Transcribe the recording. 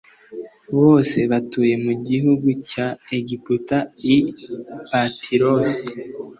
bose batuye mu gihugu cya egiputa i patirosi